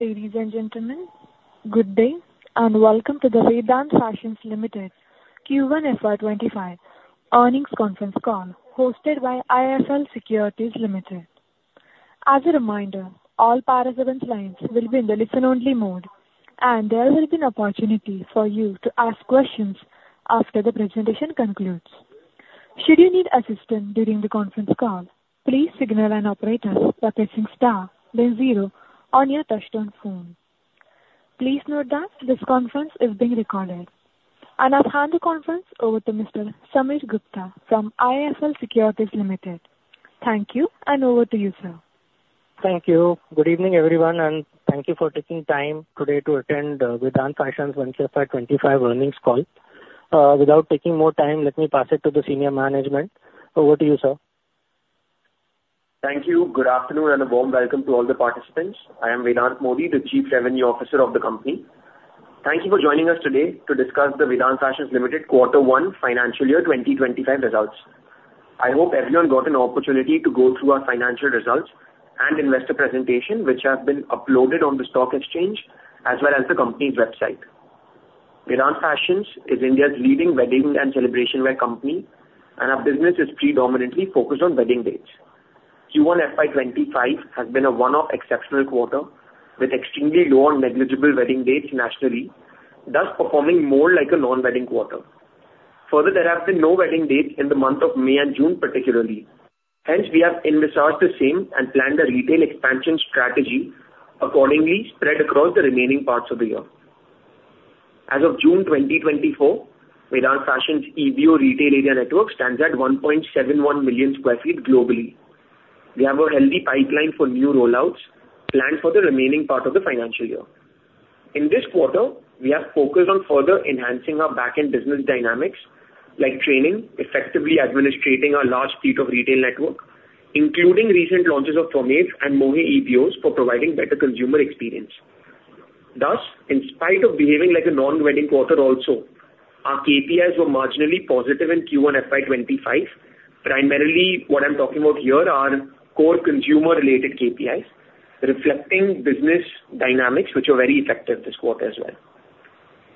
Ladies and gentlemen, good day, and welcome to the Vedant Fashions Limited Q1 FY25 earnings conference call, hosted by IIFL Securities Limited. As a reminder, all participant lines will be in the listen-only mode, and there will be an opportunity for you to ask questions after the presentation concludes. Should you need assistance during the conference call, please signal an operator by pressing star then zero on your touchtone phone. Please note that this conference is being recorded. I'll hand the conference over to Mr. Sameer Gupta from IIFL Securities Limited. Thank you, and over to you, sir. Thank you. Good evening, everyone, and thank you for taking time today to attend, Vedant Fashions' FY 25 earnings call. Without taking more time, let me pass it to the senior management. Over to you, sir. Thank you. Good afternoon, and a warm welcome to all the participants. I am Vedant Modi, the Chief Revenue Officer of the company. Thank you for joining us today to discuss the Vedant Fashions Limited Q1 FY 2025 results. I hope everyone got an opportunity to go through our financial results and investor presentation, which have been uploaded on the stock exchange as well as the company's website. Vedant Fashions is India's leading wedding and celebration wear company, and our business is predominantly focused on wedding dates. Q1 FY 2025 has been a one-off exceptional quarter, with extremely low or negligible wedding dates nationally, thus performing more like a non-wedding quarter. Further, there have been no wedding dates in the month of May and June particularly, hence we have envisaged the same and planned a retail expansion strategy accordingly spread across the remaining parts of the year. As of June 2024, Vedant Fashions EBO retail area network stands at 1.71 million sq ft globally. We have a healthy pipeline for new rollouts planned for the remaining part of the financial year. In this quarter, we have focused on further enhancing our back-end business dynamics, like training, effectively administrating our large fleet of retail network, including recent launches of Twamev and Mohey EBOs for providing better consumer experience. Thus, in spite of behaving like a non-wedding quarter also, our KPIs were marginally positive in Q1 FY 2025. Primarily, what I'm talking about here are core consumer-related KPIs, reflecting business dynamics, which were very effective this quarter as well.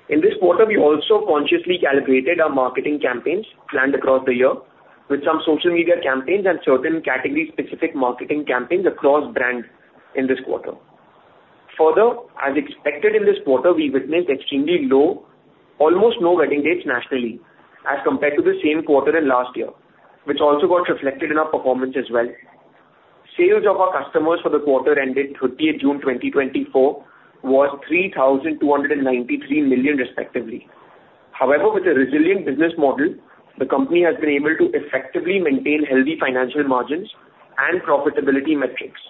In this quarter, we also consciously calibrated our marketing campaigns planned across the year with some social media campaigns and certain category-specific marketing campaigns across brands in this quarter. Further, as expected in this quarter, we witnessed extremely low, almost no wedding dates nationally, as compared to the same quarter in last year, which also got reflected in our performance as well. Sales of our customers for the quarter ended 30th June 2024 was 3,293 million respectively. However, with a resilient business model, the company has been able to effectively maintain healthy financial margins and profitability metrics,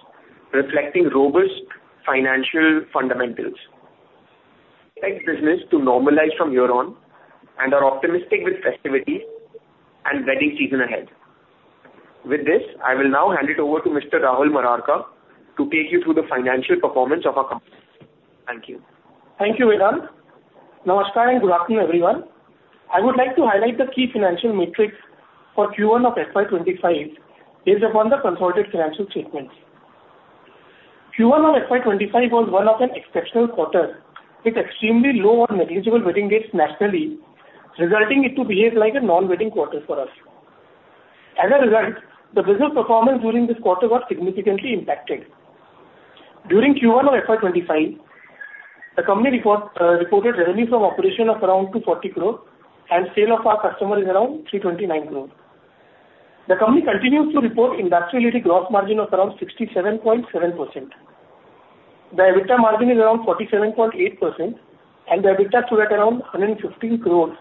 reflecting robust financial fundamentals. Expect business to normalize from here on, and are optimistic with festivity and wedding season ahead. With this, I will now hand it over to Mr.Rahul Murarka to take you through the financial performance of our company. Thank you. Thank you, Vedant. Namaskar, and good afternoon, everyone. I would like to highlight the key financial metrics for Q1 of FY 2025 based upon the consolidated financial statements. Q1 of FY 2025 was one of an exceptional quarter, with extremely low or negligible wedding dates nationally, resulting it to behave like a non-wedding quarter for us. As a result, the business performance during this quarter got significantly impacted. During Q1 of FY 2025, the company reported revenue from operation of around 240 crore, and sale of our customer is around 329 crore. The company continues to report industry-leading gross margin of around 67.7%. The EBITDA margin is around 47.8%, and the EBITDA stood at around 115 crore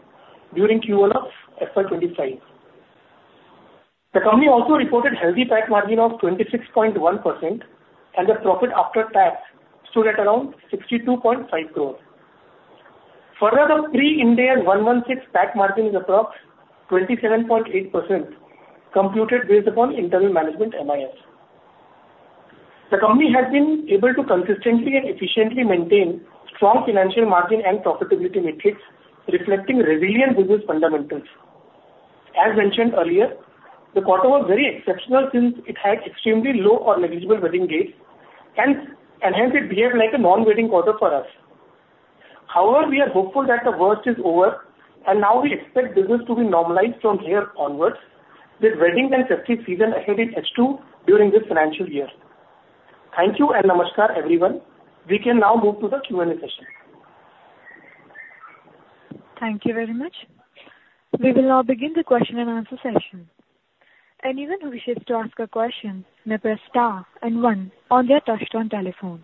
during Q1 of FY 2025. The company also reported healthy PAT margin of 26.1%, and the profit after tax stood at around 62.5 crore. Further, the pre-Ind AS 116 PAT margin is approx 27.8%, computed based upon internal management MIS. The company has been able to consistently and efficiently maintain strong financial margin and profitability metrics, reflecting resilient business fundamentals. As mentioned earlier, the quarter was very exceptional since it had extremely low or negligible wedding dates, and hence it behaved like a non-wedding quarter for us. However, we are hopeful that the worst is over, and now we expect business to be normalized from here onwards, with wedding and festive season ahead in H2 during this financial year. Thank you, and namaskar, everyone. We can now move to the Q&A session. Thank you very much. We will now begin the question and answer session. Anyone who wishes to ask a question may press star and one on their touchtone telephone.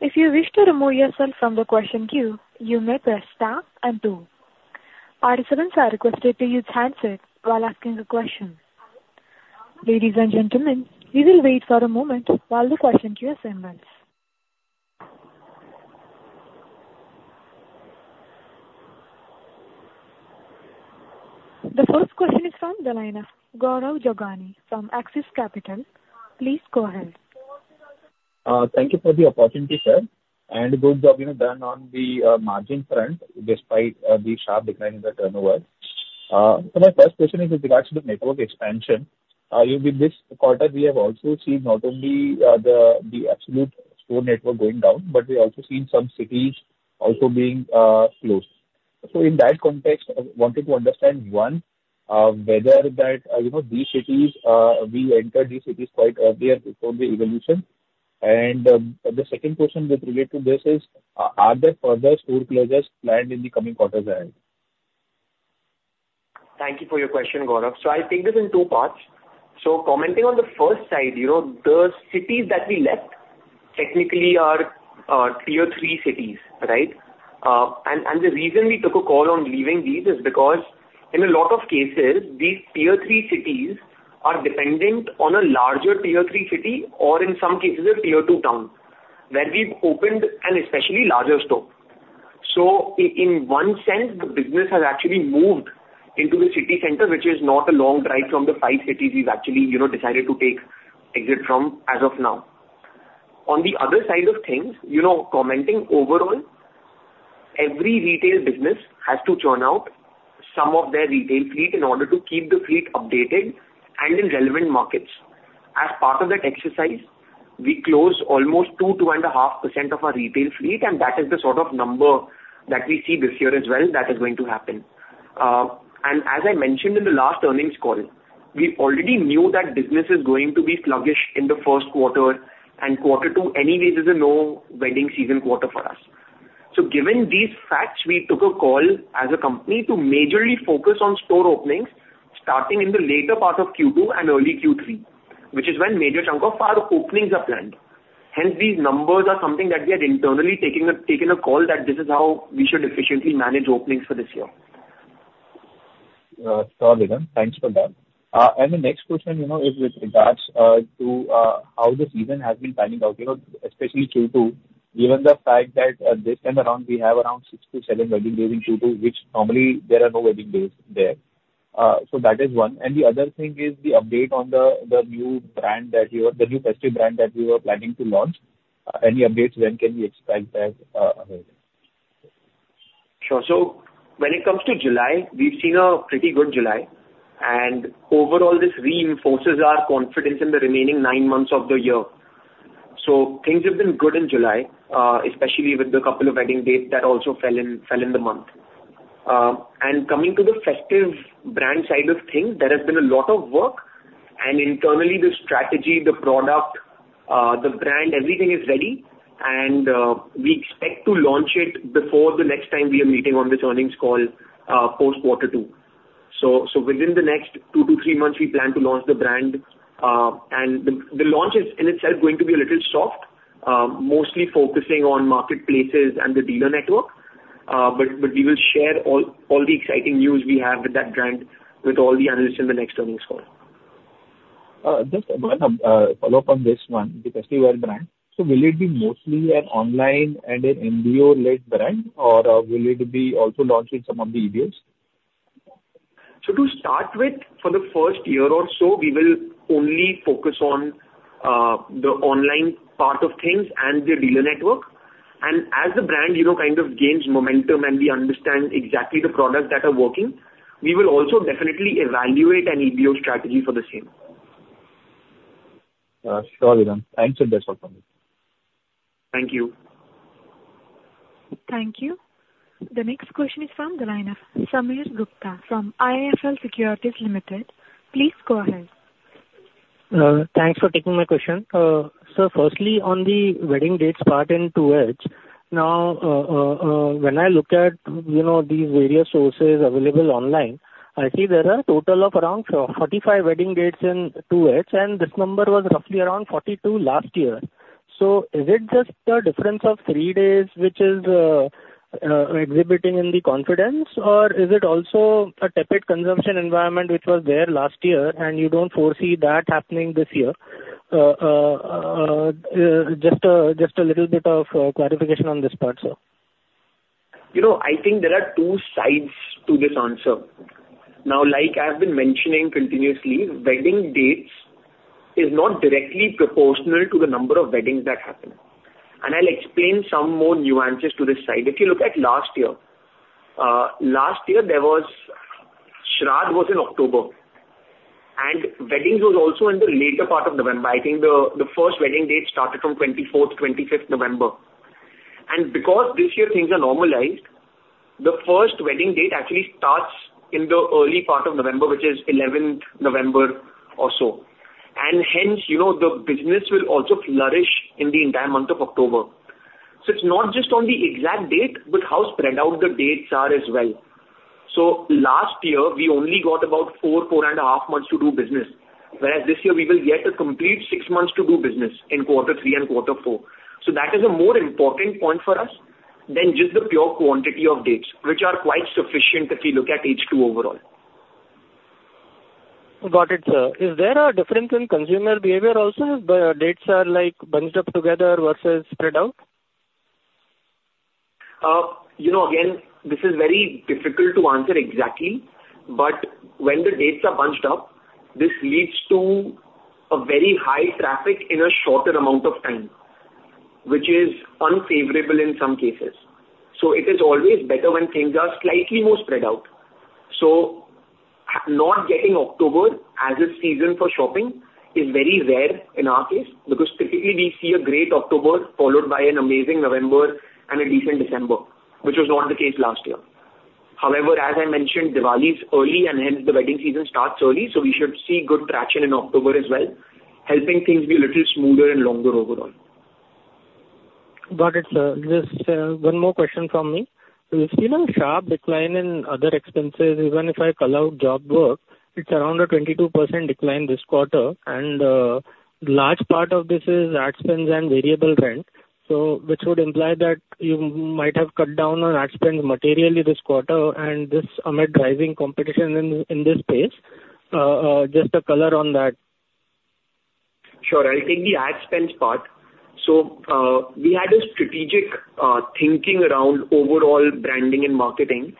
If you wish to remove yourself from the question queue, you may press star and two. Participants are requested to use handset while asking a question. Ladies and gentlemen, we will wait for a moment while the question queue is amended. The first question is from the line of Gaurav Jogani from Axis Capital. Please go ahead. Thank you for the opportunity, sir, and good job being done on the margin front despite the sharp decline in the turnover. So my first question is with regards to the network expansion. In this quarter, we have also seen not only the absolute store network going down, but we also seen some cities also being closed. So in that context, I wanted to understand, one, whether that, you know, these cities we entered these cities quite earlier before the evolution. The second question with relate to this is, are there further store closures planned in the coming quarters ahead? Thank you for your question, Gaurav. So I'll take this in two parts. So commenting on the first side, you know, the cities that we left technically are tier three cities, right? The reason we took a call on leaving these is because in a lot of cases, these tier three cities are dependent on a larger tier three city, or in some cases, a tier two town, where we've opened an especially larger store. So in one sense, the business has actually moved into the city center, which is not a long drive from the five cities we've actually, you know, decided to take exit from as of now. On the other side of things, you know, commenting overall, every retail business has to churn out some of their retail fleet in order to keep the fleet updated and in relevant markets. As part of that exercise, we closed almost 2%-2.5% of our retail fleet, and that is the sort of number that we see this year as well that is going to happen. And as I mentioned in the last earnings call, we already knew that business is going to be sluggish in the first quarter, and quarter two anyway, this is a no wedding season quarter for us. So given these facts, we took a call as a company to majorly focus on store openings, starting in the later part of Q2 and early Q3, which is when major chunk of our openings are planned. Hence, these numbers are something that we had internally taken a call that this is how we should efficiently manage openings for this year. Sure, Viran. Thanks for that. And the next question, you know, is with regards to how the season has been panning out. You know, especially Q2, given the fact that this time around we have around 6-7 wedding days in Q2, which normally there are no wedding days there. So that is one. And the other thing is the update on the new brand that you are—the new festive brand that you are planning to launch. Any updates? When can we expect that ahead? Sure. So when it comes to July, we've seen a pretty good July. Overall, this reinforces our confidence in the remaining nine months of the year. So things have been good in July, especially with the couple of wedding dates that also fell in the month. And coming to the festive brand side of things, there has been a lot of work, and internally, the strategy, the product, the brand, everything is ready, and we expect to launch it before the next time we are meeting on this earnings call, post quarter two. So within the next two to three months, we plan to launch the brand. And the launch is in itself going to be a little soft, mostly focusing on marketplaces and the dealer network. But we will share all the exciting news we have with that brand, with all the analysts in the next earnings call. Just one follow-up on this one, the festive wear brand. So will it be mostly an online and an MBO-led brand, or will it be also launched in some of the EBOs? So to start with, for the first year or so, we will only focus on the online part of things and the dealer network. And as the brand, you know, kind of gains momentum and we understand exactly the products that are working, we will also definitely evaluate an EBO strategy for the same. Sure, Viran. Thanks for that follow-up. Thank you. Thank you. The next question is from the line of Sameer Gupta from IIFL Securities Limited. Please go ahead. Thanks for taking my question. So firstly, on the wedding dates part in H2, now, when I look at, you know, these various sources available online, I see there are a total of around 445 wedding dates in H2, and this number was roughly around 42 last year. So is it just a difference of 3 days, which is exhibiting in the confidence? Or is it also a tepid consumption environment, which was there last year, and you don't foresee that happening this year? Just a little bit of clarification on this part, sir. You know, I think there are two sides to this answer. Now, like I've been mentioning continuously, wedding dates is not directly proportional to the number of weddings that happen. And I'll explain some more nuances to this side. If you look at last year, last year, there was Shraddh was in October, and weddings was also in the later part of November. I think the first wedding date started from 24th to 25th November. And because this year things are normalized, the first wedding date actually starts in the early part of November, which is 11th November or so. And hence, you know, the business will also flourish in the entire month of October. So it's not just on the exact date, but how spread out the dates are as well. So last year, we only got about 4, 4.5 months to do business, whereas this year we will get a complete 6 months to do business in quarter three and quarter four. So that is a more important point for us than just the pure quantity of dates, which are quite sufficient if you look at H2 overall. Got it, sir. Is there a difference in consumer behavior also, if the dates are, like, bunched up together versus spread out? You know, again, this is very difficult to answer exactly, but when the dates are bunched up, this leads to a very high traffic in a shorter amount of time, which is unfavorable in some cases. So it is always better when things are slightly more spread out. So not getting October as a season for shopping is very rare in our case, because typically we see a great October, followed by an amazing November and a decent December, which was not the case last year. However, as I mentioned, Diwali is early, and hence the wedding season starts early, so we should see good traction in October as well, helping things be a little smoother and longer overall. Got it, sir. Just one more question from me. We've seen a sharp decline in other expenses, even if I allow job work, it's around a 22% decline this quarter, and large part of this is ad spends and variable rent, so which would imply that you might have cut down on ad spends materially this quarter and this amid rising competition in this space. Just a color on that. Sure, I'll take the ad spends part. So, we had a strategic thinking around overall branding and marketing,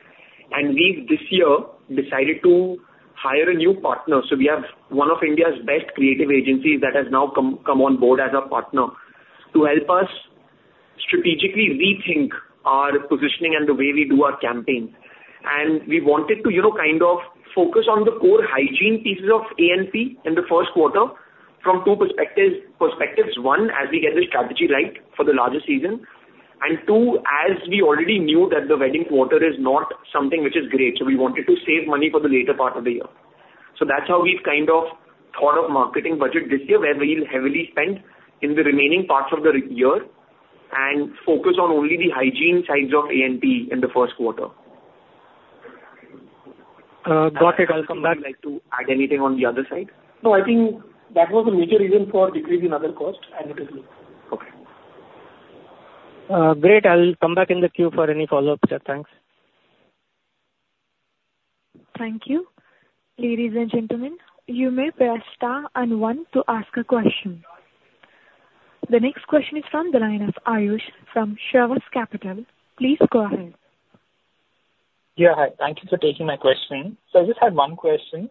and we've this year decided to hire a new partner. So we have one of India's best creative agencies that has now come on board as a partner to help us strategically rethink our positioning and the way we do our campaigns. And we wanted to, you know, kind of focus on the core hygiene pieces of A&P in the first quarter from two perspectives. One, as we get the strategy right for the larger season, and two, as we already knew that the wedding quarter is not something which is great, so we wanted to save money for the later part of the year. So that's how we've kind of thought of marketing budget this year, where we'll heavily spend in the remaining parts of the year and focus on only the hygiene sides of A&P in the first quarter. Got it. I'll come back. Would you like to add anything on the other side? No, I think that was the major reason for decrease in other costs, and it is good. Okay. Great. I'll come back in the queue for any follow-up, sir. Thanks. Thank you. Ladies and gentlemen, you may press star and one to ask a question. The next question is from the line of Ayush from Sherwood Capital. Please go ahead. Yeah, hi. Thank you for taking my question. So I just had one question.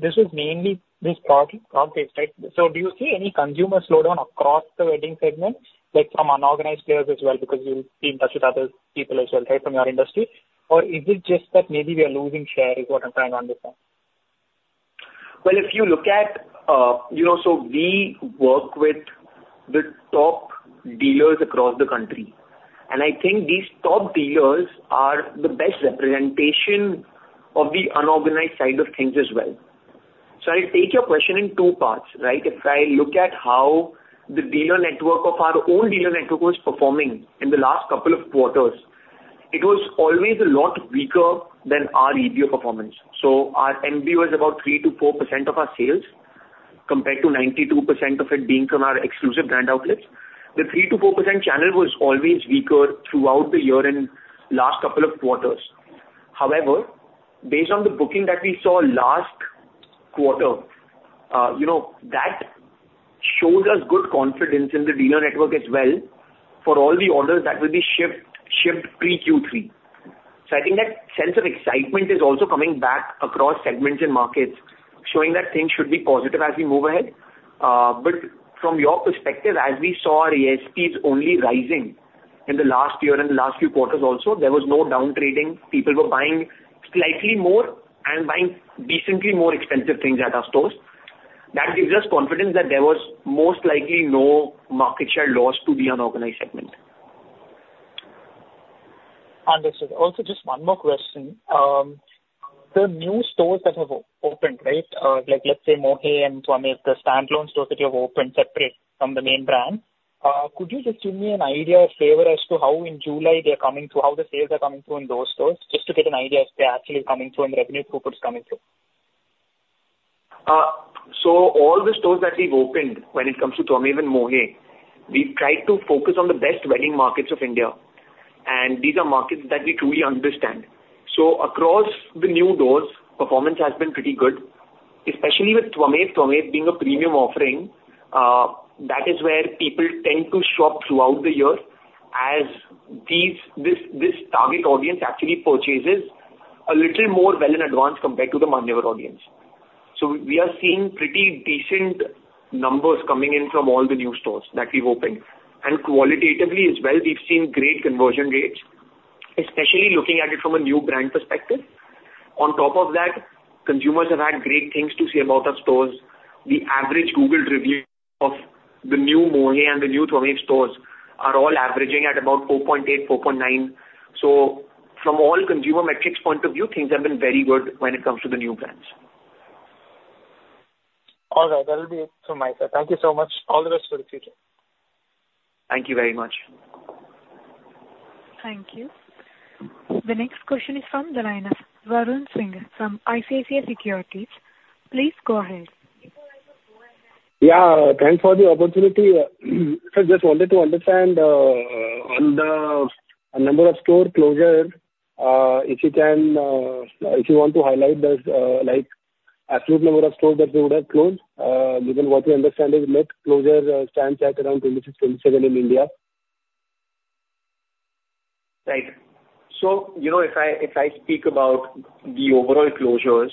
This is mainly this quarter, right? So do you see any consumer slowdown across the wedding segment, like from unorganized players as well? Because you'll be in touch with other people as well, right, from your industry. Or is it just that maybe we are losing share, is what I'm trying to understand. Well, if you look at, you know, so we work with the top dealers across the country, and I think these top dealers are the best representation of the unorganized side of things as well. So I'll take your question in two parts, right? If I look at how the dealer network of our own dealer network was performing in the last couple of quarters, it was always a lot weaker than our EBO performance. So our NBO is about 3%-4% of our sales, compared to 92% of it being from our exclusive brand outlets. The 3%-4% channel was always weaker throughout the year and last couple of quarters. However, based on the booking that we saw last quarter, you know, that shows us good confidence in the dealer network as well for all the orders that will be shipped pre-Q3. So I think that sense of excitement is also coming back across segments and markets, showing that things should be positive as we move ahead. But from your perspective, as we saw our ASPs only rising in the last year and the last few quarters also, there was no downgrading. People were buying slightly more and buying decently more expensive things at our stores. That gives us confidence that there was most likely no market share loss to the unorganized segment. Understood. Also, just one more question. The new stores that have opened, right, like, let's say Mohey and Twaamev, the standalone stores that you have opened separate from the main brand, could you just give me an idea or favor as to how in July they're coming through, how the sales are coming through in those stores? Just to get an idea if they're actually coming through and the revenue footprint is coming through. So all the stores that we've opened when it comes to Twaamev and Mohey, we've tried to focus on the best wedding markets of India, and these are markets that we truly understand. So across the new doors, performance has been pretty good, especially with Twaamev, Twaamev being a premium offering, that is where people tend to shop throughout the year, as this target audience actually purchases a little more well in advance compared to the Manyavar audience. So we are seeing pretty decent numbers coming in from all the new stores that we've opened. And qualitatively as well, we've seen great conversion rates, especially looking at it from a new brand perspective. On top of that, consumers have had great things to say about our stores. The average Google review of the new Mohey and the new Twaamev stores are all averaging at about 4.8, 4.9. So from all consumer metrics point of view, things have been very good when it comes to the new brands. All right. That will be it from my side. Thank you so much. All the best for the future. Thank you very much. Thank you. The next question is from the line of Varun Singh, from ICICI Securities. Please go ahead. Yeah, thanks for the opportunity. I just wanted to understand on the number of store closure, if you can, if you want to highlight this, like absolute number of stores that you would have closed. Given what we understand is net closures stands at around 26-27 in India.... Right. So, you know, if I, if I speak about the overall closures,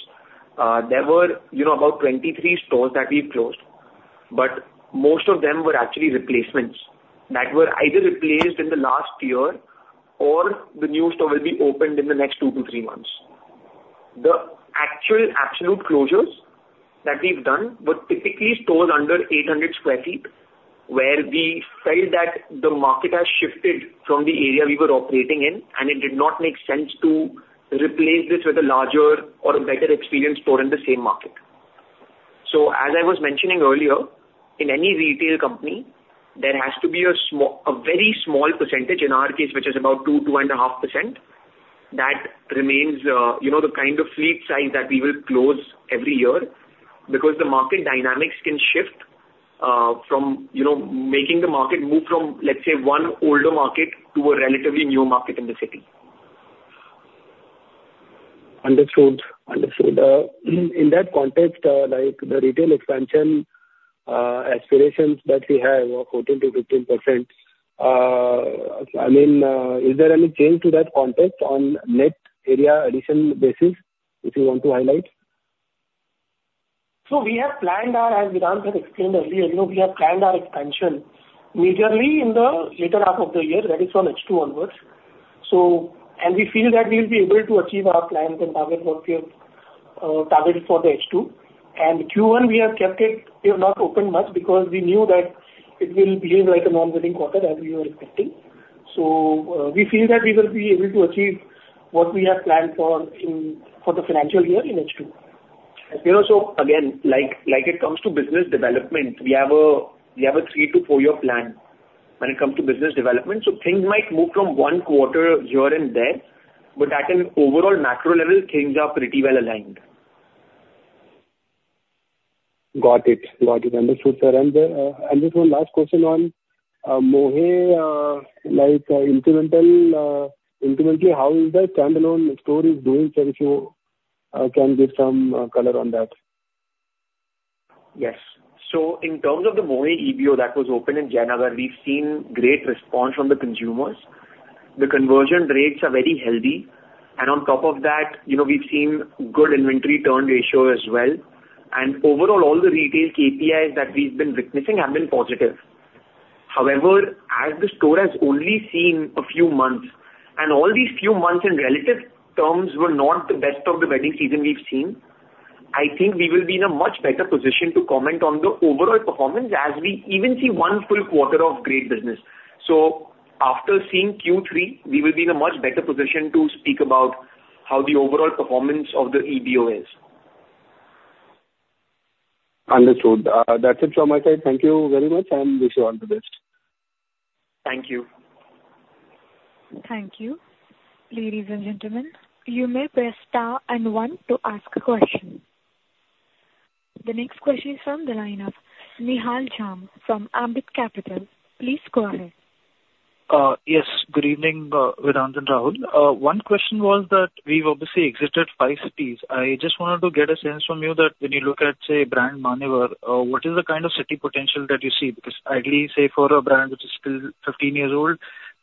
there were, you know, about 23 stores that we've closed, but most of them were actually replacements that were either replaced in the last year or the new store will be opened in the next 2-3 months. The actual absolute closures that we've done were typically stores under 800 sq ft, where we felt that the market has shifted from the area we were operating in, and it did not make sense to replace this with a larger or a better experience store in the same market. As I was mentioning earlier, in any retail company, there has to be a very small percentage, in our case, which is about 2-2.5%, that remains, you know, the kind of fleet size that we will close every year. Because the market dynamics can shift, from, you know, making the market move from, let's say, one older market to a relatively new market in the city. Understood. Understood. In that context, like, the retail expansion aspirations that we have of 14%-15%, I mean, is there any change to that context on net area addition basis, which you want to highlight? So we have planned our, as Vedant has explained earlier, you know, we have planned our expansion majorly in the later half of the year, that is from H2 onwards. So and we feel that we'll be able to achieve our plans and target what we have targeted for the H2. And Q1, we have kept it, we have not opened much because we knew that it will behave like a non-wedding quarter, as we were expecting. So we feel that we will be able to achieve what we have planned for in, for the financial year in H2. You know, so again, like, like it comes to business development, we have a 3-4-year plan when it comes to business development. So things might move from one quarter here and there, but at an overall macro level, things are pretty well aligned. Got it. Got it. Understood, sir. And just one last question on Mohey, like, incrementally, how is the standalone store is doing? So if you can give some color on that. Yes. So in terms of the Mohey EBO that was opened in January, we've seen great response from the consumers. The conversion rates are very healthy, and on top of that, you know, we've seen good inventory turn ratio as well. And overall, all the retail KPIs that we've been witnessing have been positive. However, as the store has only seen a few months, and all these few months in relative terms were not the best of the wedding season we've seen, I think we will be in a much better position to comment on the overall performance as we even see one full quarter of great business. So after seeing Q3, we will be in a much better position to speak about how the overall performance of the EBO is. Understood. That's it from my side. Thank you very much, and wish you all the best. Thank you. Thank you. Ladies and gentlemen, you may press star and one to ask a question. The next question is from the line of Nihal Jham from Ambit Capital. Please go ahead. Yes. Good evening, Vedant and Rahul. One question was that we've obviously exited 5 cities. I just wanted to get a sense from you that when you look at, say, brand Manyavar, what is the kind of city potential that you see? Because ideally, say, for a brand which is still 15 years old,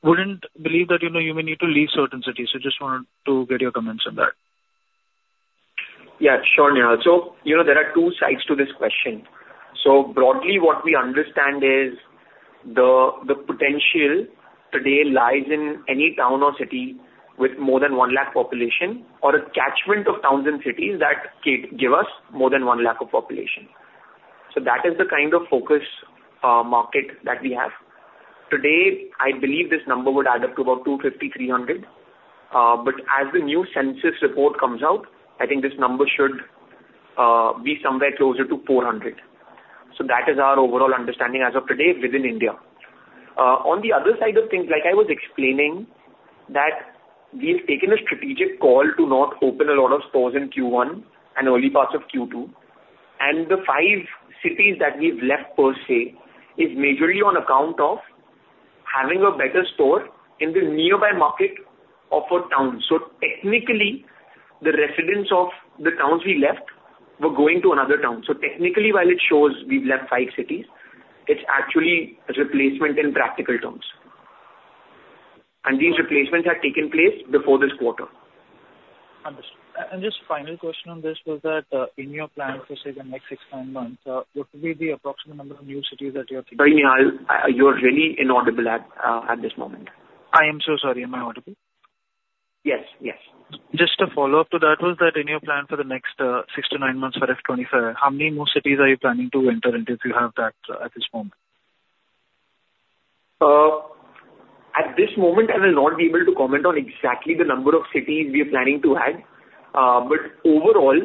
wouldn't believe that, you know, you may need to leave certain cities. So just wanted to get your comments on that. Yeah, sure, Nihal. So, you know, there are two sides to this question. So broadly, what we understand is the potential today lies in any town or city with more than 1 lakh population, or a catchment of towns and cities that can give us more than 1 lakh of population. So that is the kind of focus market that we have. Today, I believe this number would add up to about 250, 300. But as the new census report comes out, I think this number should be somewhere closer to 400. So that is our overall understanding as of today within India. On the other side of things, like I was explaining, that we've taken a strategic call to not open a lot of stores in Q1 and early parts of Q2, and the five cities that we've left per se, is majorly on account of having a better store in the nearby market of a town. So technically, the residents of the towns we left were going to another town. So technically, while it shows we've left five cities, it's actually a replacement in practical terms. And these replacements have taken place before this quarter. Understood. Just final question on this was that, in your plan for, say, the next 6-9 months, what will be the approximate number of new cities that you are thinking of? Sorry, Nihal, you are really inaudible at this moment. I am so sorry. Am I audible? Yes, yes. Just a follow-up to that, was that in your plan for the next six to nine months for F 25, how many more cities are you planning to enter into, if you have that at this moment? At this moment, I will not be able to comment on exactly the number of cities we are planning to add. But overall,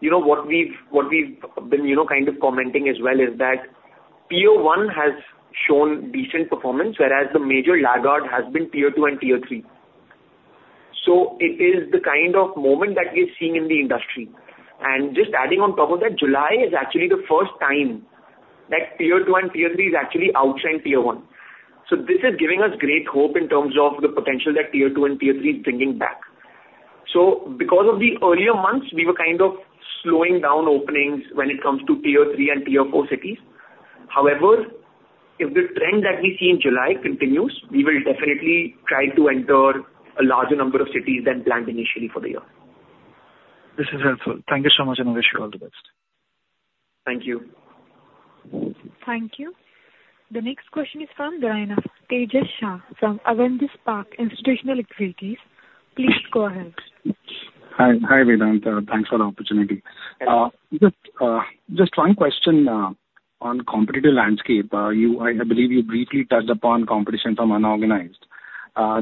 you know, what we've, what we've been, you know, kind of commenting as well, is that Tier one has shown decent performance, whereas the major laggard has been Tier two and Tier three. So it is the kind of moment that we're seeing in the industry. And just adding on top of that, July is actually the first time that Tier two and Tier three is actually outshining Tier one. So this is giving us great hope in terms of the potential that Tier two and Tier three is bringing back. So because of the earlier months, we were kind of slowing down openings when it comes to Tier three and Tier four cities. However, if the trend that we see in July continues, we will definitely try to enter a larger number of cities than planned initially for the year. This is helpful. Thank you so much, and I wish you all the best. Thank you. Thank you. The next question is from Tejas Shah from Avendus Spark Institutional Equities. Please go ahead. Hi, hi, Vedant. Thanks for the opportunity. Just, just one question on competitive landscape. You—I believe you briefly touched upon competition from unorganized.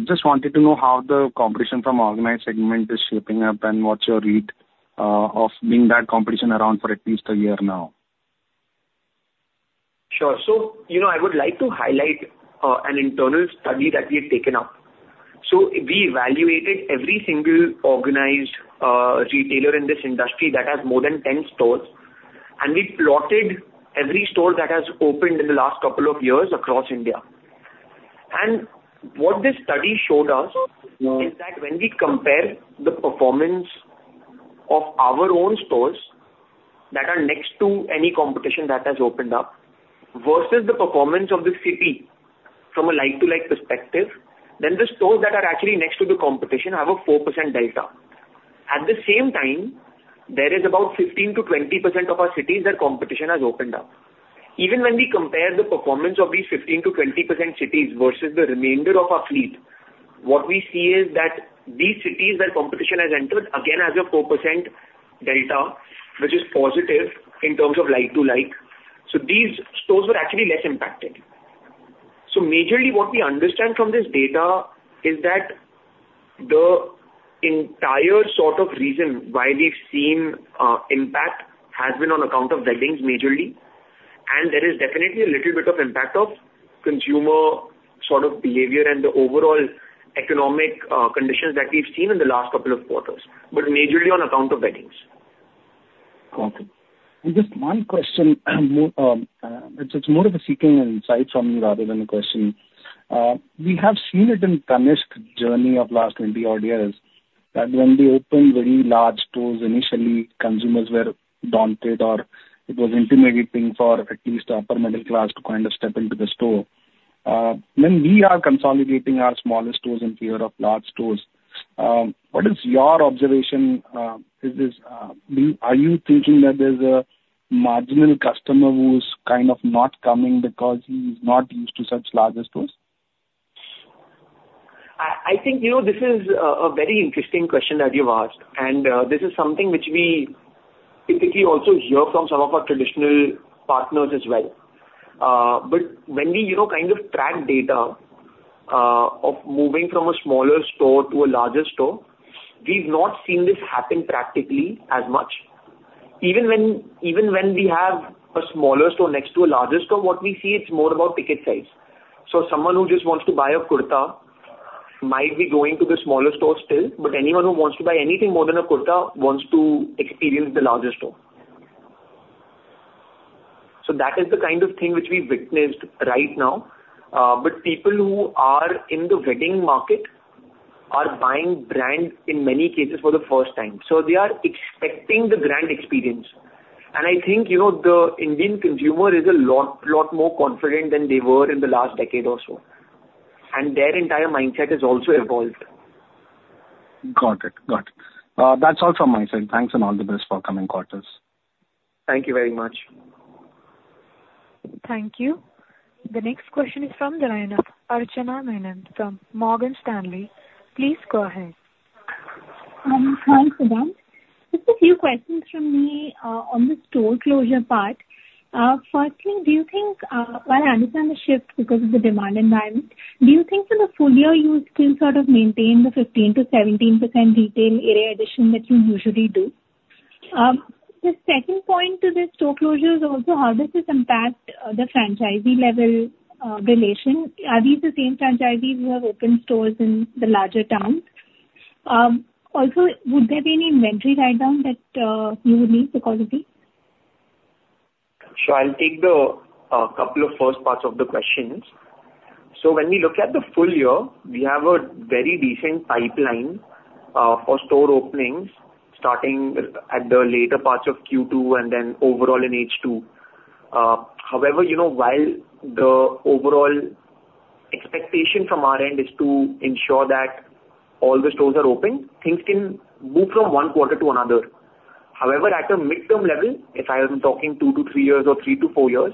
Just wanted to know how the competition from organized segment is shaping up, and what's your read of being that competition around for at least a year now? Sure. So, you know, I would like to highlight an internal study that we have taken up. So we evaluated every single organized retailer in this industry that has more than 10 stores, and we plotted every store that has opened in the last couple of years across India. And what this study showed us. Mm... is that when we compare the performance of our own stores that are next to any competition that has opened up, versus the performance of the city from a like-to-like perspective, then the stores that are actually next to the competition have a 4% delta. At the same time, there is about 15%-20% of our cities where competition has opened up. Even when we compare the performance of these 15%-20% cities versus the remainder of our fleet, what we see is that these cities where competition has entered again have a 4% delta, which is positive in terms of like to like. So these stores were actually less impacted. Majorly, what we understand from this data is that the entire sort of reason why we've seen impact has been on account of weddings, majorly, and there is definitely a little bit of impact of consumer sort of behavior and the overall economic conditions that we've seen in the last couple of quarters, but majorly on account of weddings. Okay. And just one question, it's more of a seeking insight from you rather than a question. We have seen it in Tanishq journey of last 20-odd years, that when they opened very large stores, initially consumers were daunted, or it was intimidating for at least upper middle class to kind of step into the store. When we are consolidating our smaller stores in favor of large stores, what is your observation? Is this, are you thinking that there's a marginal customer who's kind of not coming because he's not used to such larger stores? I think, you know, this is a very interesting question that you've asked, and this is something which we typically also hear from some of our traditional partners as well. But when we, you know, kind of track data of moving from a smaller store to a larger store, we've not seen this happen practically as much. Even when we have a smaller store next to a larger store, what we see it's more about ticket size. So someone who just wants to buy a kurta might be going to the smaller store still, but anyone who wants to buy anything more than a kurta wants to experience the larger store. So that is the kind of thing which we've witnessed right now. But people who are in the wedding market are buying brand in many cases for the first time, so they are expecting the brand experience. I think, you know, the Indian consumer is a lot, lot more confident than they were in the last decade or so, and their entire mindset has also evolved. Got it. Got it. That's all from my side. Thanks, and all the best for coming quarters. Thank you very much. Thank you. The next question is from Archana Menon from Morgan Stanley. Please go ahead. Hi, Vedant. Just a few questions from me on the store closure part. Firstly, do you think, while I understand the shift because of the demand environment, do you think in the full year you will still sort of maintain the 15%-17% retail area addition that you usually do? The second point to the store closures also, how does this impact the franchisee level relation? Are these the same franchisees who have opened stores in the larger towns? Also, would there be any inventory write-down that you would need to call it please? Sure, I'll take the couple of first parts of the questions. So when we look at the full year, we have a very decent pipeline for store openings, starting at the later parts of Q2 and then overall in H2. However, you know, while the overall expectation from our end is to ensure that all the stores are open, things can move from one quarter to another. However, at a midterm level, if I am talking two to three years or three to four years,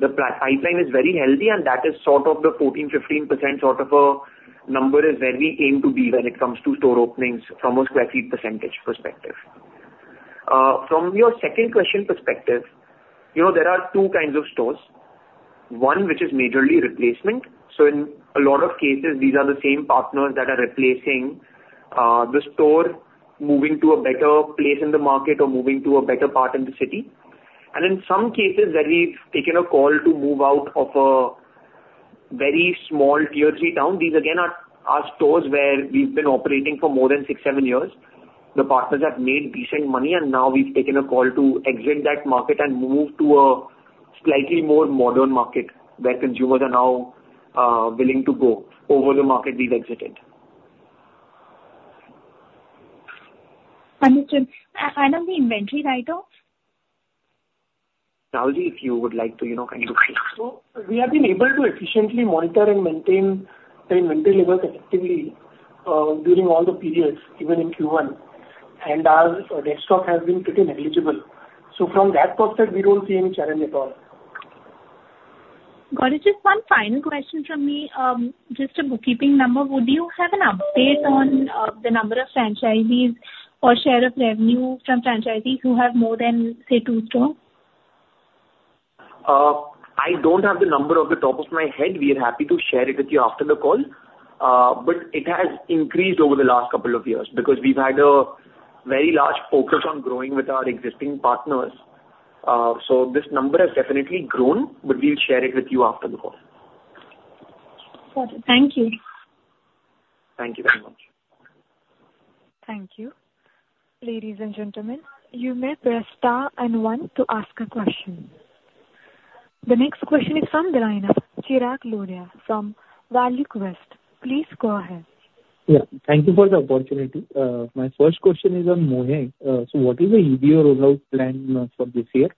the pipeline is very healthy, and that is sort of the 14-15% sort of a number is where we aim to be when it comes to store openings from a square feet percentage perspective. From your second question perspective, you know, there are two kinds of stores. One, which is majorly replacement. So in a lot of cases, these are the same partners that are replacing the store, moving to a better place in the market or moving to a better part in the city. In some cases, where we've taken a call to move out of a very small Tier 3 town, these again are stores where we've been operating for more than 6-7 years. The partners have made decent money, and now we've taken a call to exit that market and move to a slightly more modern market, where consumers are now willing to go over the market we've exited. Just final, the inventory write-off? Naveen, if you would like to, you know, kind of So we have been able to efficiently monitor and maintain the inventory levels effectively, during all the periods, even in Q1, and our deadstock has been pretty negligible. So from that perspective, we don't see any challenge at all. Got it. Just one final question from me. Just a bookkeeping number: Would you have an update on the number of franchisees or share of revenue from franchisees who have more than, say, two stores? I don't have the number off the top of my head. We are happy to share it with you after the call. But it has increased over the last couple of years, because we've had a very large focus on growing with our existing partners. So this number has definitely grown, but we'll share it with you after the call. Got it. Thank you. Thank you very much. Thank you. Ladies and gentlemen, you may press star and one to ask a question. The next question is from the line of Chirag Lodaya from ValueQuest. Please go ahead. Yeah, thank you for the opportunity. My first question is on Mohey. So what is the EBO rollout plan for this year?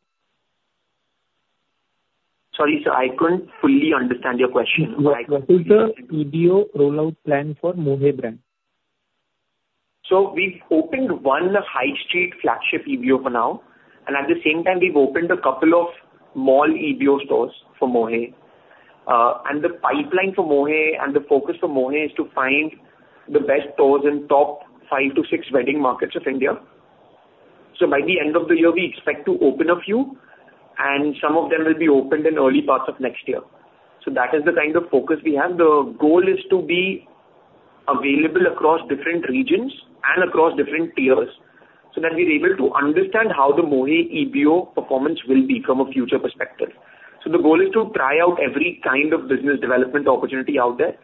Sorry, sir, I couldn't fully understand your question. What is the EBO rollout plan for Mohey brand? So we've opened one high street flagship EBO for now, and at the same time, we've opened a couple of mall EBO stores for Mohey. And the pipeline for Mohey and the focus for Mohey is to find the best stores in top five to six wedding markets of India. So by the end of the year, we expect to open a few, and some of them will be opened in early parts of next year. So that is the kind of focus we have. The goal is to be available across different regions and across different tiers, so that we're able to understand how the Mohey EBO performance will be from a future perspective. So the goal is to try out every kind of business development opportunity out there,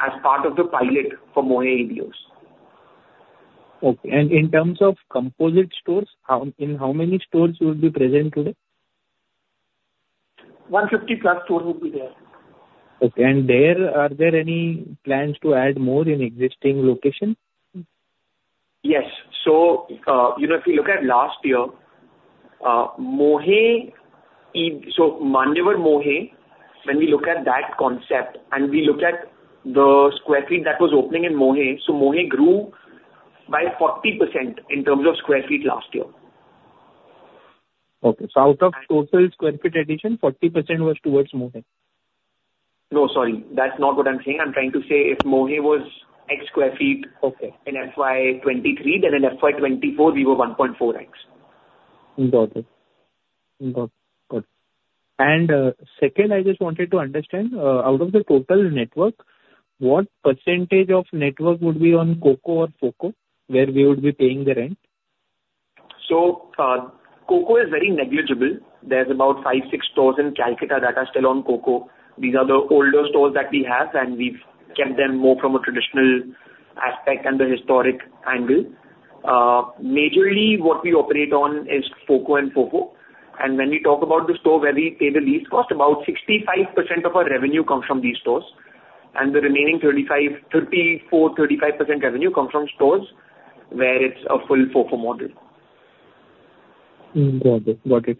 as part of the pilot for Mohey EBOs. Okay. And in terms of composite stores, in how many stores you will be present today? 150 plus stores will be there. Okay. Are there any plans to add more in existing location? Yes. So, you know, if you look at last year, Mohey. So Manyavar Mohey, when we look at that concept, and we look at the sq ft that was opening in Mohey, so Mohey grew by 40% in terms of sq ft last year. Okay. So out of- And- total sq ft addition, 40% was towards Mohey? No, sorry. That's not what I'm saying. I'm trying to say if Mohey was X sq ft- Okay... in FY 2023, then in FY 2024, we were 1.4x. Got it. Got it. And, second, I just wanted to understand, out of the total network, what percentage of network would be on FOFO or Foco, where we would be paying the rent? So, COCO is very negligible. There's about 5, 6 stores in Calcutta that are still on COCO. These are the older stores that we have, and we've kept them more from a traditional aspect and a historic angle. Majorly, what we operate on is Foco and FOFO, and when we talk about the store where we pay the lease cost, about 65% of our revenue comes from these stores, and the remaining 35, 34, 35% revenue comes from stores where it's a full FOFO model. Mm, got it. Got it.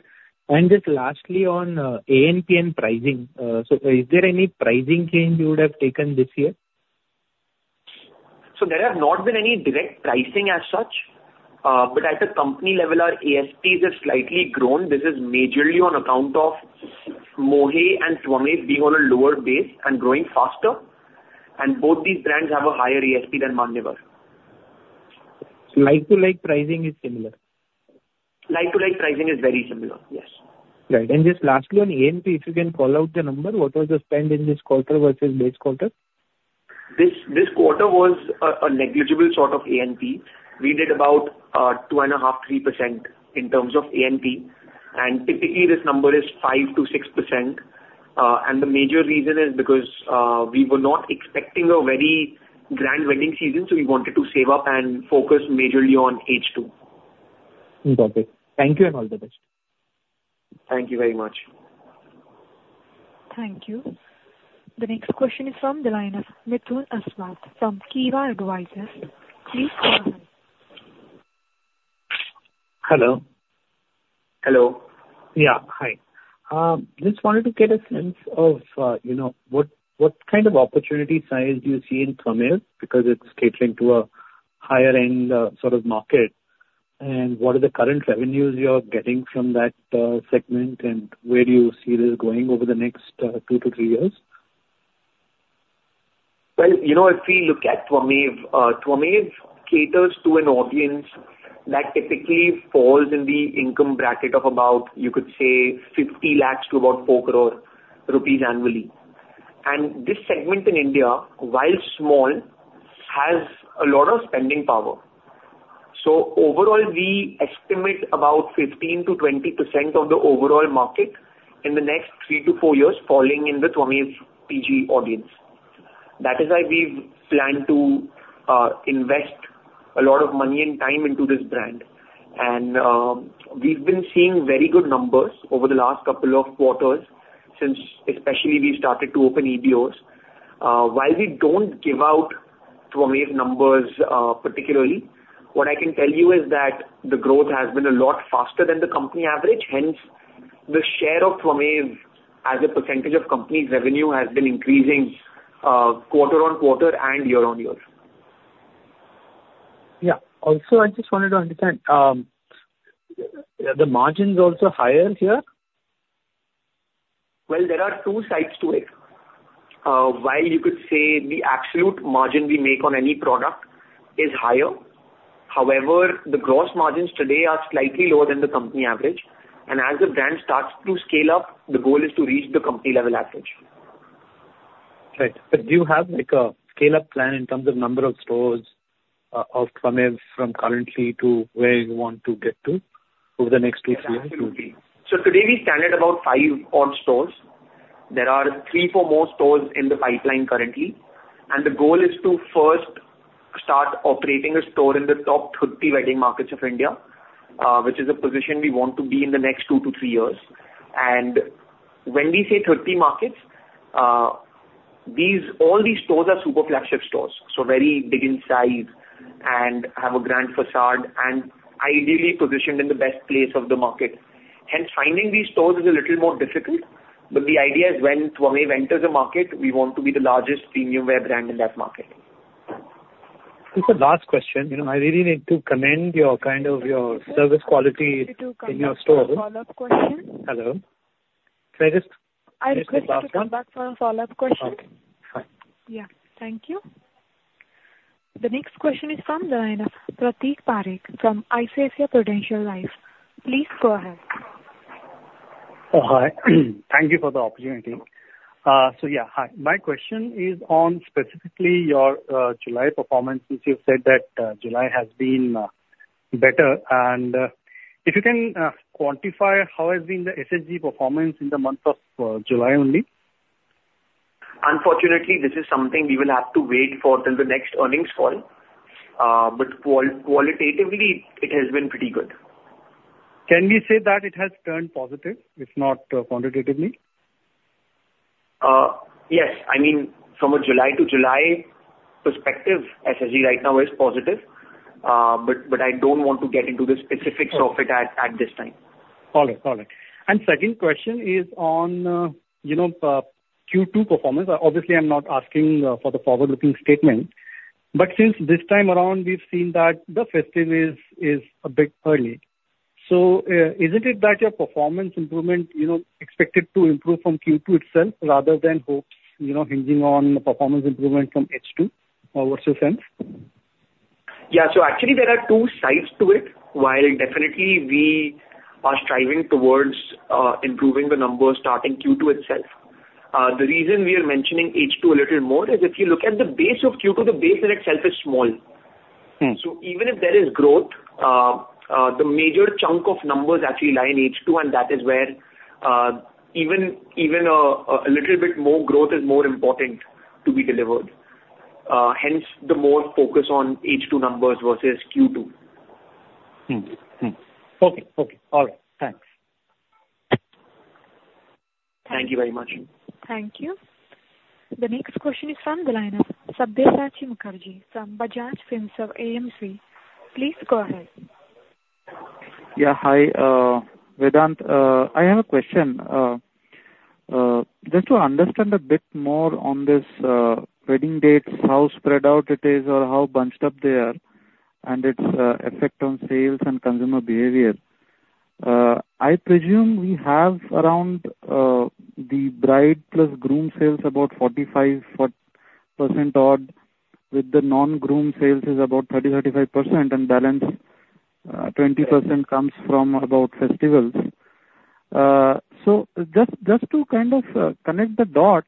And just lastly, on ANP and pricing, so is there any pricing change you would have taken this year? There have not been any direct pricing as such, but at the company level, our ASPs have slightly grown. This is majorly on account of Mohey and Twamev being on a lower base and growing faster, and both these brands have a higher ASP than Manyavar. Like-for-like pricing is similar? Like-to-like pricing is very similar, yes. Right. And just lastly, on ANP, if you can call out the number, what was the spend in this quarter versus base quarter? This quarter was a negligible sort of ANP. We did about 2.5-3% in terms of ANP, and typically this number is 5%-6%. The major reason is because we were not expecting a very grand wedding season, so we wanted to save up and focus majorly on H2. Got it. Thank you and all the best. Thank you very much. Thank you. The next question is from the line of Mithun Aswath from Kiva Advisors. Please go ahead. Hello? Hello. Yeah, hi. Just wanted to get a sense of, you know, what, what kind of opportunity size do you see in Twaamev, because it's catering to a higher-end, sort of market? And what are the current revenues you are getting from that, segment, and where do you see this going over the next, two to three years? Well, you know, if we look at Twaamev, Twaamev caters to an audience that typically falls in the income bracket of about, you could say, 50 lakhs-4 crore rupees annually. And this segment in India, while small, has a lot of spending power. So overall, we estimate about 15%-20% of the overall market in the next 3-4 years falling in the Twaamev PG audience. That is why we've planned to invest a lot of money and time into this brand. And we've been seeing very good numbers over the last couple of quarters since especially we started to open EBOs. While we don't give out Twaamev numbers, particularly, what I can tell you is that the growth has been a lot faster than the company average, hence, the share of Twaamev as a percentage of company's revenue has been increasing, quarter-on-quarter and year-on-year. Yeah. Also, I just wanted to understand, the margins are also higher here? Well, there are two sides to it. While you could say the absolute margin we make on any product is higher, however, the gross margins today are slightly lower than the company average, and as the brand starts to scale up, the goal is to reach the company level average. Right. But do you have, like, a scale-up plan in terms of number of stores of Twaamev from currently to where you want to get to over the next 2-3 years? Absolutely. So today we stand at about 5 odd stores. There are 3, 4 more stores in the pipeline currently, and the goal is to first start operating a store in the top 30 wedding markets of India, which is a position we want to be in the next 2-3 years. And when we say 30 markets, these all these stores are super flagship stores, so very big in size and have a grand façade, and ideally positioned in the best place of the market. Hence, finding these stores is a little more difficult, but the idea is when Twaamev enters a market, we want to be the largest premium wear brand in that market. Just a last question. You know, I really need to commend your kind of, your service quality in your stores. To come back for a follow-up question. Hello. Can I just- I request you to come back for a follow-up question. Okay, fine. Yeah. Thank you. The next question is from the line of Prateek Parekh from ICICI Prudential Life. Please go ahead. Oh, hi. Thank you for the opportunity. So, yeah, hi. My question is on specifically your July performance, since you've said that July has been better. And if you can quantify how has been the SSG performance in the month of July only? Unfortunately, this is something we will have to wait for till the next earnings call. But qualitatively, it has been pretty good. Can we say that it has turned positive, if not quantitatively? Yes. I mean, from a July to July perspective, SSG right now is positive. But, I don't want to get into the specifics of it at this time. Got it. Got it. And second question is on, you know, Q2 performance. Obviously, I'm not asking for the forward-looking statement, but since this time around, we've seen that the festive is a bit early. So, isn't it that your performance improvement, you know, expected to improve from Q2 itself, rather than hope, you know, hinging on performance improvement from H2? What's your sense? Yeah. So actually, there are two sides to it. While definitely we are striving towards improving the numbers starting Q2 itself, the reason we are mentioning H2 a little more is if you look at the base of Q2, the base in itself is small. Mm. So even if there is growth, the major chunk of numbers actually lie in H2, and that is where even a little bit more growth is more important to be delivered. Hence, the more focus on H2 numbers versus Q2. Okay. Okay. All right, thanks. Thank you very much. Thank you. The next question is from the line of Sabyasachi Mukherjee from Bajaj Finserv AMC. Please go ahead. Yeah, hi, Vedant. I have a question. Just to understand a bit more on this, wedding dates, how spread out it is or how bunched up they are, and its effect on sales and consumer behavior. I presume we have around, the bride plus groom sales about 45% odd, with the non-groom sales is about 30-35%, and balance, 20% comes from about festivals. So just, just to kind of, connect the dots,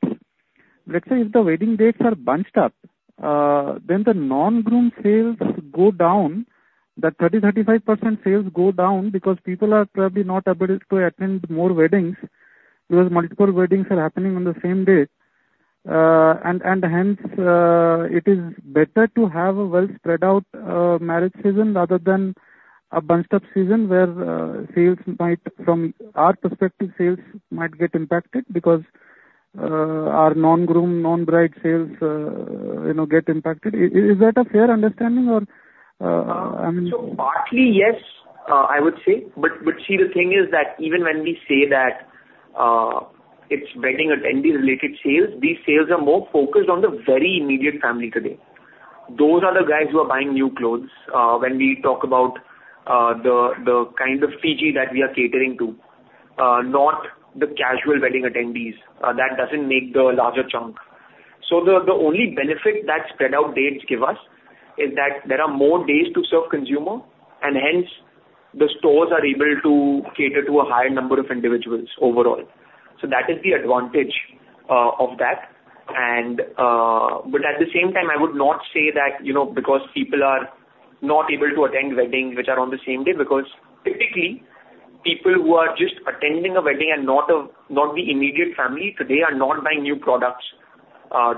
let's say if the wedding dates are bunched up, then the non-groom sales go down, that 30-35% sales go down because people are probably not able to attend more weddings, because multiple weddings are happening on the same day. Hence, it is better to have a well spread out marriage season rather than a bunched up season, where sales might... From our perspective, sales might get impacted because our non-groom, non-bride sales, you know, get impacted. Is that a fair understanding or, I mean- So partly, yes, I would say. But see, the thing is that even when we say that, it's wedding attendee-related sales, these sales are more focused on the very immediate family today. Those are the guys who are buying new clothes, when we talk about the kind of CG that we are catering to, not the casual wedding attendees. That doesn't make the larger chunk. So the only benefit that spread out dates give us is that there are more days to serve consumer, and hence, the stores are able to cater to a higher number of individuals overall. So that is the advantage of that. And at the same time, I would not say that, you know, because people are not able to attend weddings which are on the same day, because typically... People who are just attending a wedding and not the immediate family, so they are not buying new products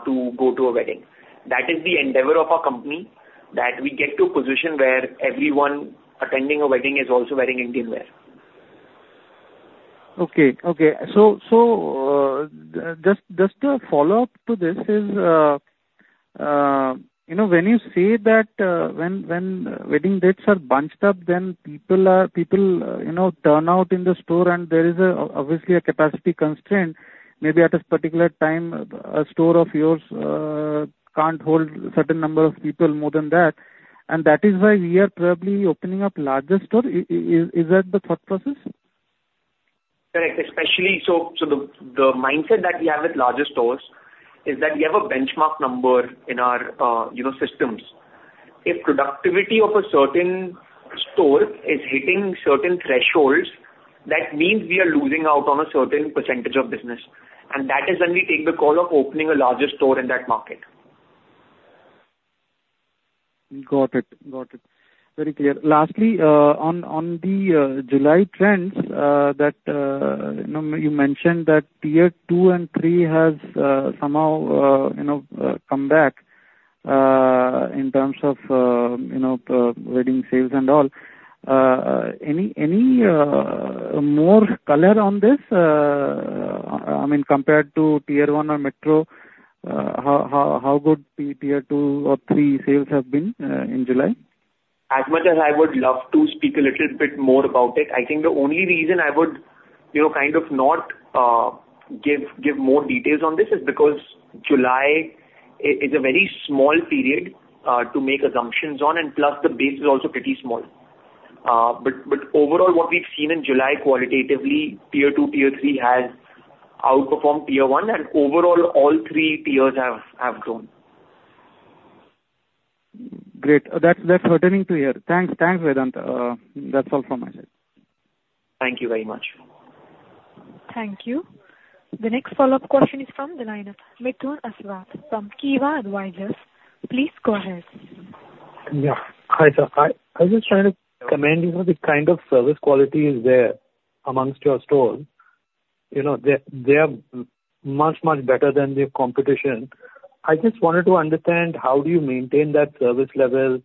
to go to a wedding. That is the endeavor of our company, that we get to a position where everyone attending a wedding is also wearing Indian wear. Okay, okay. So, so, just, just a follow-up to this is, you know, when you say that, when wedding dates are bunched up, then people, you know, turn out in the store, and there is, obviously, a capacity constraint. Maybe at a particular time, a store of yours, can't hold a certain number of people more than that, and that is why we are probably opening up larger store. Is that the thought process? Correct. Especially, so the mindset that we have with larger stores is that we have a benchmark number in our you know systems. If productivity of a certain store is hitting certain thresholds, that means we are losing out on a certain percentage of business, and that is when we take the call of opening a larger store in that market. Got it. Got it. Very clear. Lastly, on the July trends that you know you mentioned that Tier 2 and 3 has somehow you know come back in terms of you know wedding sales and all. Any more color on this? I mean, compared to Tier 1 or metro, how good the Tier 2 or 3 sales have been in July? As much as I would love to speak a little bit more about it, I think the only reason I would, you know, kind of, not give more details on this, is because July is a very small period to make assumptions on, and plus, the base is also pretty small. But overall, what we've seen in July qualitatively, tier two, tier three has outperformed tier one, and overall, all three tiers have grown. Great. That's heartening to hear. Thanks. Thanks, Vedant. That's all from my side. Thank you very much. Thank you. The next follow-up question is from the line of Mithun Aswath from Kiva Advisors. Please go ahead. Yeah. Hi, sir. I was just trying to commend you on the kind of service quality is there amongst your stores. You know, they are much, much better than the competition. I just wanted to understand how do you maintain that service level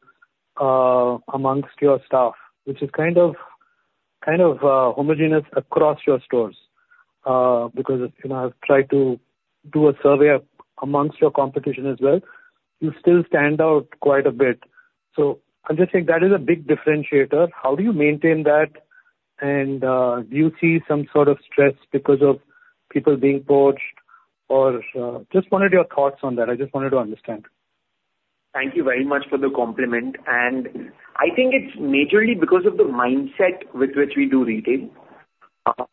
amongst your staff, which is kind of homogeneous across your stores? Because, you know, I've tried to do a survey amongst your competition as well. You still stand out quite a bit. So I'm just saying that is a big differentiator. How do you maintain that, and do you see some sort of stress because of people being poached? Or just wanted your thoughts on that. I just wanted to understand. Thank you very much for the compliment, and I think it's majorly because of the mindset with which we do retail. Our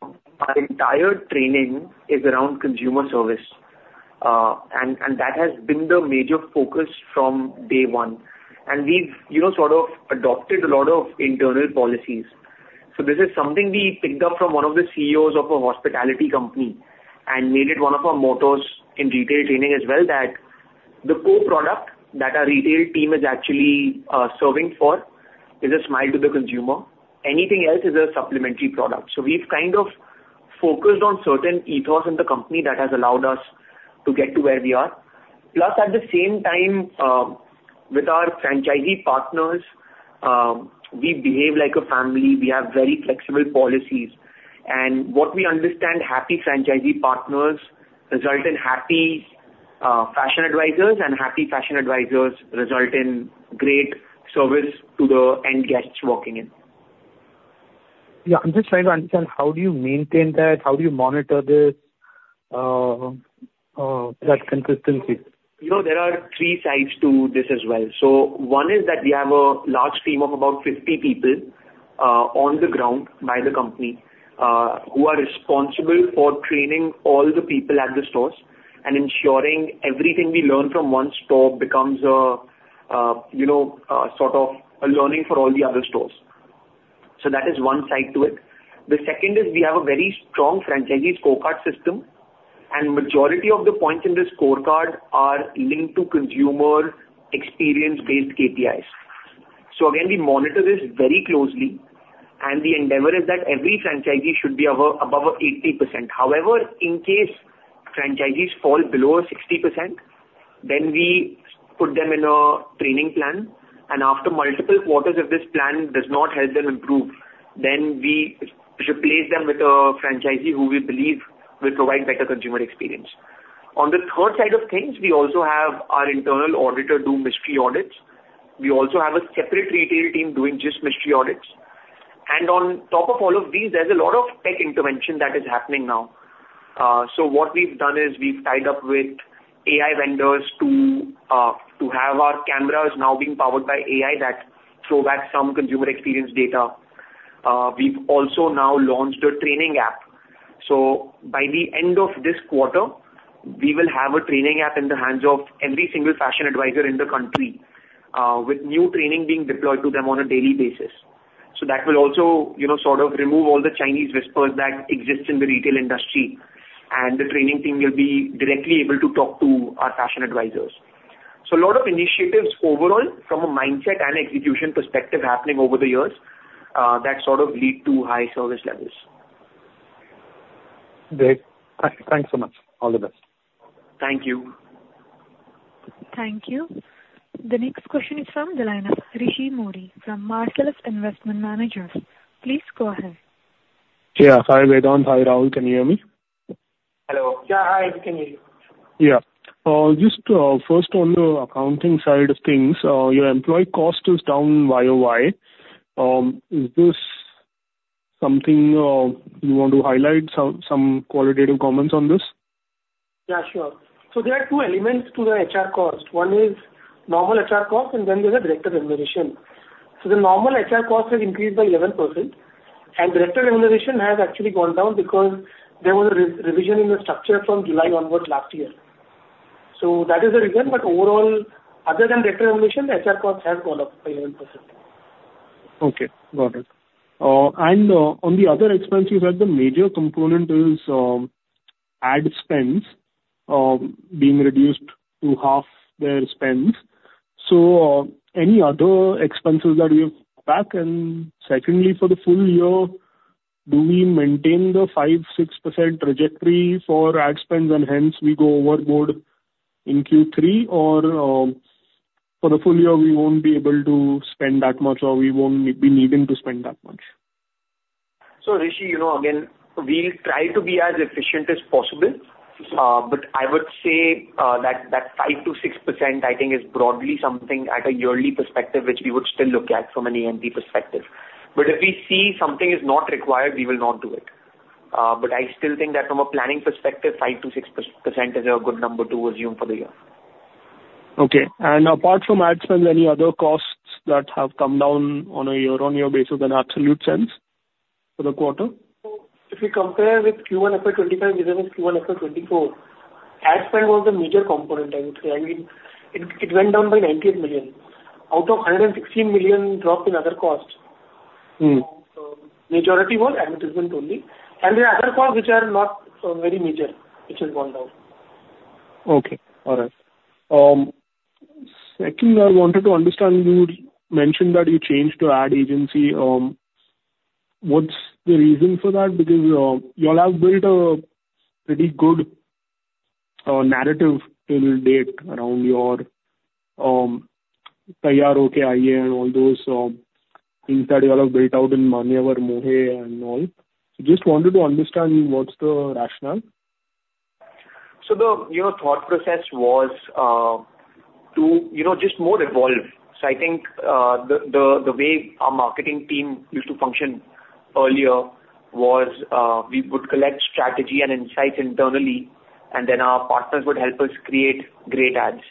entire training is around consumer service, and that has been the major focus from day one. We've, you know, sort of adopted a lot of internal policies. So this is something we picked up from one of the CEOs of a hospitality company and made it one of our mottos in retail training as well, that the core product that our retail team is actually serving for is a smile to the consumer. Anything else is a supplementary product. So we've kind of focused on certain ethos in the company that has allowed us to get to where we are. Plus, at the same time, with our franchisee partners, we behave like a family. We have very flexible policies. What we understand, happy franchisee partners result in happy fashion advisors, and happy fashion advisors result in great service to the end guests walking in. Yeah, I'm just trying to understand, how do you maintain that? How do you monitor this, that consistency? You know, there are three sides to this as well. So one is that we have a large team of about 50 people, on the ground by the company, who are responsible for training all the people at the stores and ensuring everything we learn from one store becomes a, you know, a sort of a learning for all the other stores. So that is one side to it. The second is we have a very strong franchisee scorecard system, and majority of the points in the scorecard are linked to consumer experience-based KPIs. So again, we monitor this very closely, and the endeavor is that every franchisee should be over, above 80%. However, in case franchisees fall below 60%, then we put them in a training plan, and after multiple quarters, if this plan does not help them improve, then we replace them with a franchisee who we believe will provide better consumer experience. On the third side of things, we also have our internal auditor do mystery audits. We also have a separate retail team doing just mystery audits. And on top of all of these, there's a lot of tech intervention that is happening now. So what we've done is we've tied up with AI vendors to have our cameras now being powered by AI that throw back some consumer experience data. We've also now launched a training app. So by the end of this quarter, we will have a training app in the hands of every single fashion advisor in the country, with new training being deployed to them on a daily basis. So that will also, you know, sort of remove all the Chinese whispers that exist in the retail industry, and the training team will be directly able to talk to our fashion advisors. So a lot of initiatives overall from a mindset and execution perspective happening over the years, that sort of lead to high service levels. Great. Thanks so much. All the best. Thank you. Thank you. The next question is from the line of Rishi Modi from Marcellus Investment Managers. Please go ahead. Yeah. Hi, Vedant. Hi, Rahul. Can you hear me? Hello. Yeah, hi, we can hear you. Yeah. Just, first on the accounting side of things, your employee cost is down YOY. Is this something you want to highlight, some qualitative comments on this? Yeah, sure. So there are two elements to the HR cost. One is normal HR cost, and then there's a director remuneration. So the normal HR cost has increased by 11%, and director remuneration has actually gone down because there was a re-revision in the structure from July onwards last year. So that is the reason. But overall, other than director remuneration, the HR costs have gone up by 11%. Okay, got it. And on the other expenses, you said the major component is ad spends being reduced to half their spends. So, any other expenses that you have back? And secondly, for the full year, do we maintain the 5%-6% trajectory for ad spends, and hence we go overboard in Q3? Or, for the full year, we won't be able to spend that much, or we won't be needing to spend that much. So, Rishi, you know, again, we'll try to be as efficient as possible. But I would say that 5%-6%, I think, is broadly something at a yearly perspective, which we would still look at from an EMP perspective. But if we see something is not required, we will not do it. But I still think that from a planning perspective, 5%-6% is a good number to assume for the year. Okay. Apart from ad spends, any other costs that have come down on a year-on-year basis in absolute sense for the quarter? If you compare with Q1 FY2025 with Q1 FY2024, ad spend was a major component, I would say. I mean, it, it went down by 98 million. Out of a 160 million drop in other costs- Mm. Majority was advertisement only, and the other costs, which are not very major, which has gone down. Okay. All right. Second, I wanted to understand, you mentioned that you changed your ad agency. What's the reason for that? Because, you all have built a pretty good narrative till date around your, and all those things that you all have built out in Manyavar over Mohey and all. So just wanted to understand what's the rationale? So the, you know, thought process was to, you know, just more evolve. So I think, the way our marketing team used to function earlier was, we would collect strategy and insights internally, and then our partners would help us create great ads.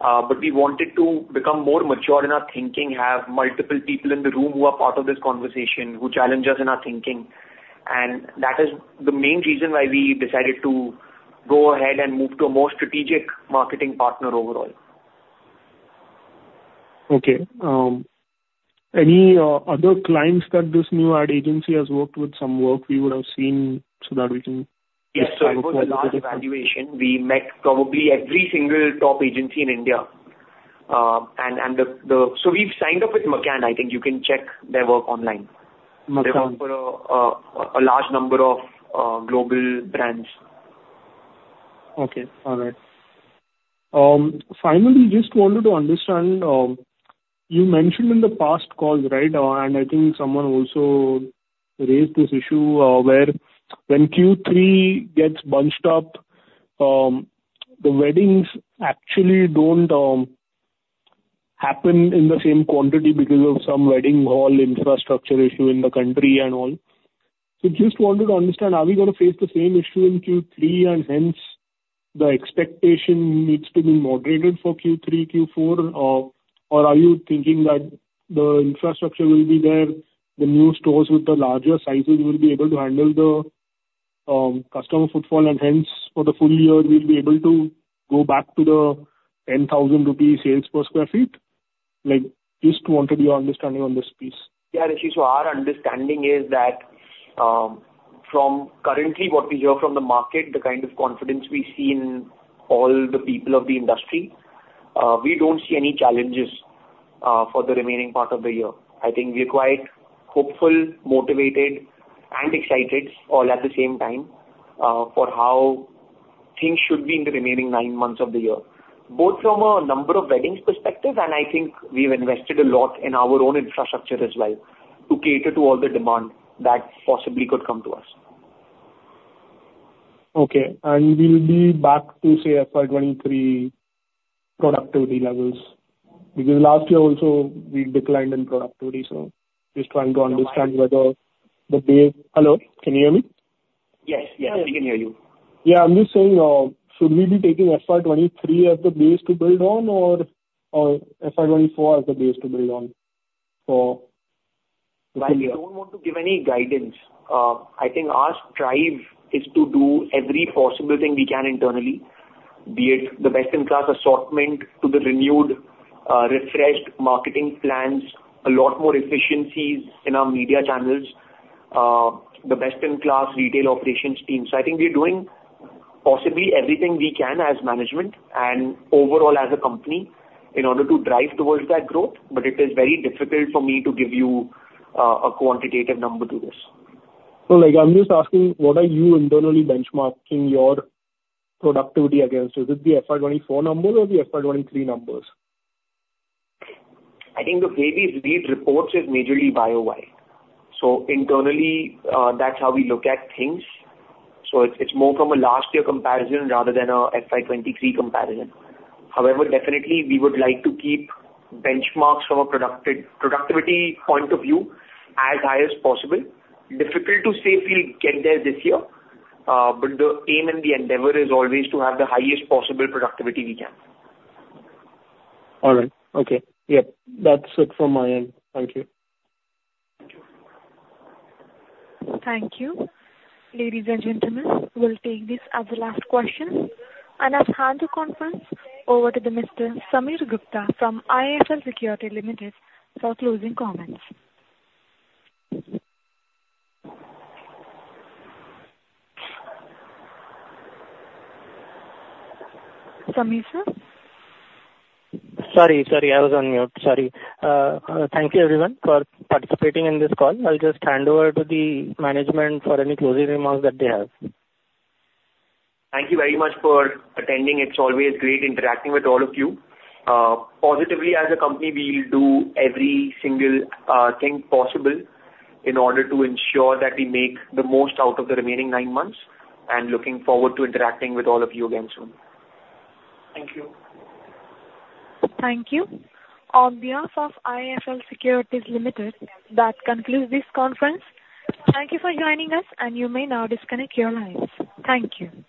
But we wanted to become more mature in our thinking, have multiple people in the room who are part of this conversation, who challenge us in our thinking, and that is the main reason why we decided to go ahead and move to a more strategic marketing partner overall. Okay. Any other clients that this new ad agency has worked with, some work we would have seen so that we can- Yes, so it was a large evaluation. We met probably every single top agency in India. So we've signed up with McCann, I think. You can check their work online. McCann. They work for a large number of global brands. Okay, all right. Finally, just wanted to understand, you mentioned in the past calls, right, and I think someone also raised this issue, where when Q3 gets bunched up, the weddings actually don't happen in the same quantity because of some wedding hall infrastructure issue in the country and all. So just wanted to understand, are we gonna face the same issue in Q3, and hence the expectation needs to be moderated for Q3, Q4? Or are you thinking that the infrastructure will be there, the new stores with the larger sizes will be able to handle the customer footfall, and hence for the full year, we'll be able to go back to the 10,000 rupees sales per sq ft? Like, just wanted your understanding on this piece. Yeah, Rishi, so our understanding is that, from currently what we hear from the market, the kind of confidence we see in all the people of the industry, we don't see any challenges, for the remaining part of the year. I think we are quite hopeful, motivated and excited all at the same time, for how things should be in the remaining nine months of the year, both from a number of weddings perspective, and I think we've invested a lot in our own infrastructure as well, to cater to all the demand that possibly could come to us. Okay, and we'll be back to, say, FY 2023 productivity levels. Because last year also we declined in productivity, so just trying to understand whether the base... Hello, can you hear me? Yes. Yeah, we can hear you. Yeah. I'm just saying, should we be taking FY 23 as the base to build on, or, or FY 24 as the base to build on for this year? While we don't want to give any guidance, I think our strive is to do every possible thing we can internally, be it the best-in-class assortment to the renewed, refreshed marketing plans, a lot more efficiencies in our media channels, the best-in-class retail operations team. So I think we are doing possibly everything we can as management and overall as a company in order to drive towards that growth, but it is very difficult for me to give you a quantitative number to this. Like, I'm just asking, what are you internally benchmarking your productivity against? Is it the FY 2024 number or the FY 2023 numbers? I think the way we read reports is majorly buy-side. So internally, that's how we look at things. So it's more from a last year comparison rather than a FY 2023 comparison. However, definitely we would like to keep benchmarks from a productivity point of view as high as possible. Difficult to say if we'll get there this year, but the aim and the endeavor is always to have the highest possible productivity we can. All right. Okay. Yep, that's it from my end. Thank you. Thank you. Ladies and gentlemen, we'll take this as the last question, and I'll hand the conference over to Mr. Samir Gupta from IIFL Securities Limited for closing comments. Samir, sir? Sorry, sorry, I was on mute. Sorry. Thank you, everyone, for participating in this call. I'll just hand over to the management for any closing remarks that they have. Thank you very much for attending. It's always great interacting with all of you. Positively, as a company, we'll do every single thing possible in order to ensure that we make the most out of the remaining nine months, and looking forward to interacting with all of you again soon. Thank you. Thank you. On behalf of IIFL Securities Limited, that concludes this conference. Thank you for joining us, and you may now disconnect your lines. Thank you.